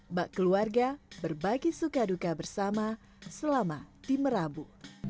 mbak keluarga berbagi suka duka bersama selama di merabu